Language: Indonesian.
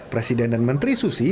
presiden dan menteri susi